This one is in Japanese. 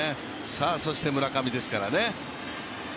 さあ、そして村上ですからね。